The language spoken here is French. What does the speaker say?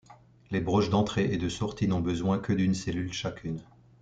Les broches d'entrée et de sortie n'ont besoin que d'une cellule chacune.